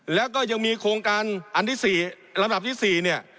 แล้วก็ยังมีโครงการอันที่๔ลำดับที่๔เนี่ย